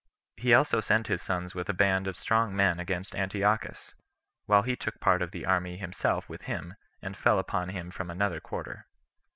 He also sent his sons with a band of strong men against Antiochus, while he took part of the army himself with him, and fell upon him from another quarter.